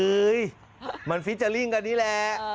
เอ้ยมันฟิเจอร์ริ่งกันนี้แหละ